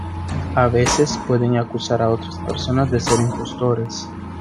A veces pueden acusar a otras personas de ser impostores.